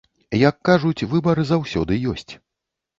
Як кажуць, выбар заўсёды ёсць.